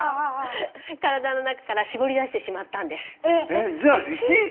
体の中から絞り出してしまったんです。